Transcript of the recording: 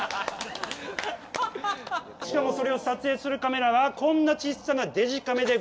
しかもそれを撮影するカメラはこんな小さなデジカメでございます。